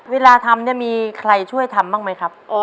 เวลาทำเนี่ยมีใครช่วยทำบ้างไหมครับ